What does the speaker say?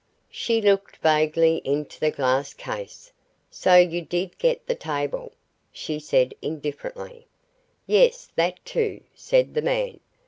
She looked vaguely into the glass case. "So you did get the table?" she said indifferently. "Yes, that, too," said the man.